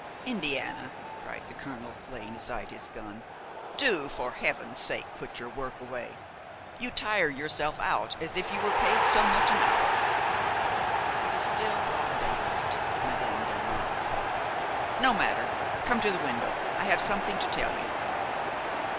"Indiana," cried the colonel, laying aside his gun, "do for heaven's sake put your work away; you tire yourself out as if you were paid so much an hour." "It is still broad daylight," Madame Delmare replied. "No matter; come to the window, I have something to tell you."